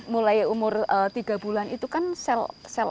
mulai umur tiga bulan itu kan sel